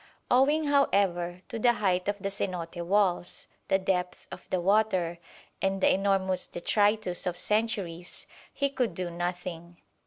Owing, however, to the height of the cenote walls, the depth of the water, and the enormous detritus of centuries, he could do nothing.